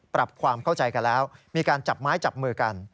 ปรับความเข้าใจกันแล้วมีการจับไม้จับมือกัน